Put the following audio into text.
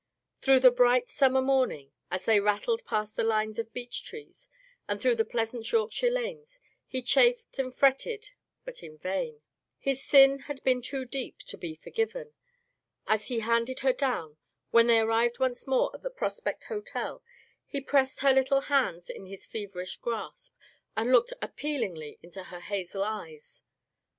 Through the bright summer morning, as they rattled past the lines of beech trees, and through the pleasant Yorkshire lanes, he chafed and fretted, but in vain. His sin had been too Digitized by Google 44 THE FATE OF FEN ELLA, deep to be forgiven. As he handed her down, when they arrived once more at the Prospect Hotel, he pressed her little hands in his feverish grasp, and looked appealingly into her hazel eyes.